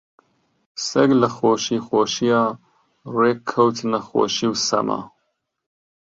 سەگ لە خۆشی خۆشییا ڕێک کەوتنە خۆشی و سەما